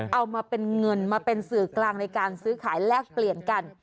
เอามาเป็นเงินมาเป็นสื่อกลางในการซื้อขายแลกเปลี่ยนกัน